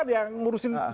kenapa dia ngurusin